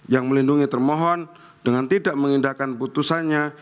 yang melindungi termohon dengan tidak mengindahkan putusannya